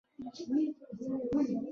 زموږ د ګاونډیانو ملګرتیا او خلوص ډیر ښه و